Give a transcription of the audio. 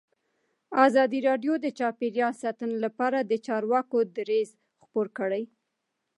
ازادي راډیو د چاپیریال ساتنه لپاره د چارواکو دریځ خپور کړی.